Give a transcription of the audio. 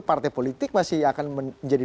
partai politik masih akan menjadi